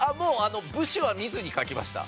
部首は見ずに書きました。